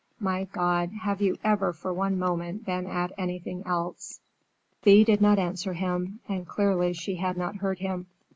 My God! have you ever, for one moment, been at anything else?" Thea did not answer him, and clearly she had not heard him.